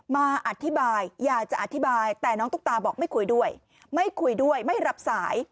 มาอธิบายอยากจะอธิบายแต่น้องตุ๊กตาบอกไม่คุยด้วยไม่คุยด้วยไม่รับสาย